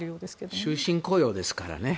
終身雇用ですからね。